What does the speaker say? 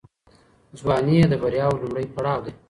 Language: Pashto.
ځواني د بریاوو لومړی پړاو دی.